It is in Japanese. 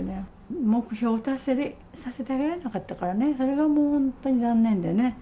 目標を達成させてあげられなかったからね、それがもう本当に残念でね。